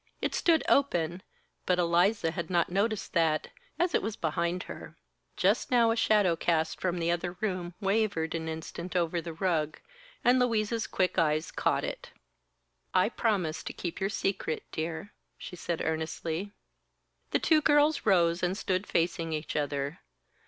It stood open, but Eliza had not noticed that, as it was behind her. Just now a shadow cast from the other room wavered an instant over the rug, and Louise's quick eyes caught it. "I promise to keep your secret, dear," she said earnestly. The two girls rose and stood facing each other.